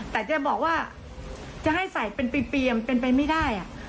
แต่จะบอกว่าจะให้ใส่เป็นเปียมเป็นไปไม่ได้